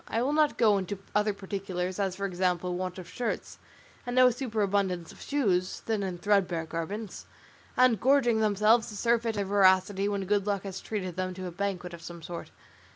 I will not go into other particulars, as for example want of shirts, and no superabundance of shoes, thin and threadbare garments, and gorging themselves to surfeit in their voracity when good luck has treated them to a banquet of some sort.